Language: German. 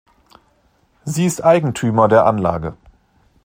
Sie ist Eigentümer der Anlage.